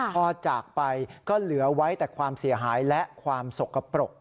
พอจากไปก็เหลือไว้แต่ความเสียหายและความสกปรก